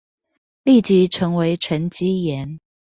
立即成為沈積岩